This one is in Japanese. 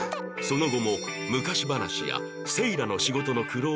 その後も昔話やセイラの仕事の苦労話で時間は過ぎ